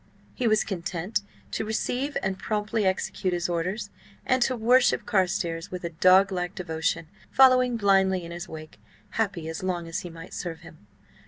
He was content to receive and promptly execute his orders, and to worship Carstares with a dog like devotion, following blindly in his wake, happy as long as he might serve him.